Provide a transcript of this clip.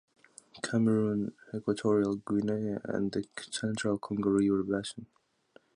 Cameroon, Equatorial Guinea and the Central Congo River Basin.